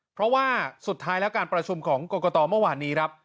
เพราะว่าสุดท้ายแล้วการประชุมของกรกตเมื่อวานนี้ครับ